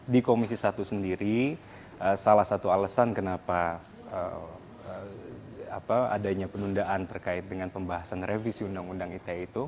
di komisi satu sendiri salah satu alasan kenapa adanya penundaan terkait dengan pembahasan revisi undang undang ite itu